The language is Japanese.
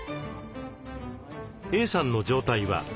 Ａさんの状態は。